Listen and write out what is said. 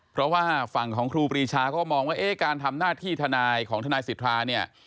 เพราะว่าฝั่งของครูปรีชาก็มองว่าเอ๊ะการทำหน้าที่ทนายของทนายสิทธาเนี่ย